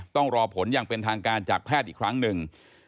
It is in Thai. ต้องรอผลอย่างเป็นทางการจากแพทย์อีกครั้งหนึ่ง